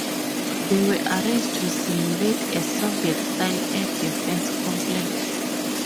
They were arranged to simulate a Soviet-style air defense complex.